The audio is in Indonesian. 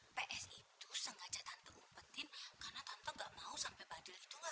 besok malam aku tinggal dulu ya